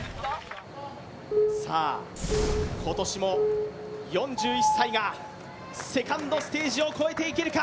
今年も４１歳がセカンドステージを越えていけるか。